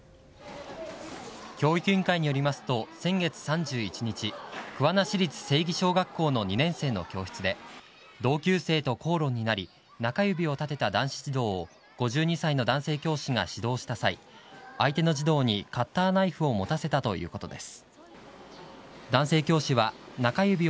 教育委員会によりますと先月３１日桑名市立精義小学校の２年生の教室で同級生と口論になり中指を立てた男子児童を５２歳の男性教師が指導した際相手の児童にカッターナイフを持たせたということです。